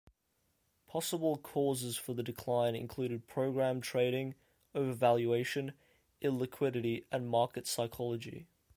Possible causes for the decline included program trading, overvaluation, illiquidity and market psychology.